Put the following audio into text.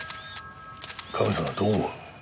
カメさんはどう思う？